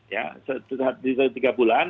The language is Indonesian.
ya setiap tiga bulan